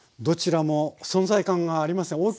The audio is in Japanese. どちらも存在感がありますね。